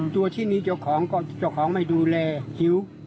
ตัวที่มีเจ้าของก็เจ้าของไม่ดูแลหิว